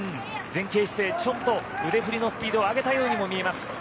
前傾姿勢腕振りのスピードを上げたようにも見えます。